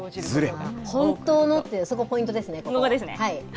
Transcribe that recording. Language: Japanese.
本当のって、そこポイントで本物ですね。